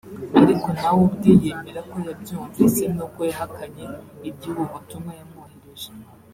ariko nawe ubwe yemera ko yabyumvise n’ubwo yahakanye iby’ubu butumwa yamwoherereje